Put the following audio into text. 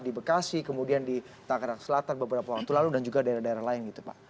di bekasi kemudian di tangerang selatan beberapa waktu lalu dan juga daerah daerah lain gitu pak